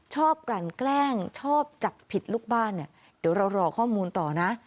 กลั่นแกล้งชอบจับผิดลูกบ้านเนี่ยเดี๋ยวเรารอข้อมูลต่อนะ